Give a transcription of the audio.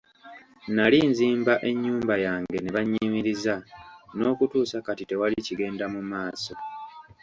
Nnali nzimba ennyumba yange ne banyimiriza n'okutuusa kati tewali kigenda mu maaso.